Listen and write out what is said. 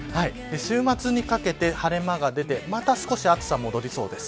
週末にかけて晴れ間が出てまた少し暑さが戻りそうです。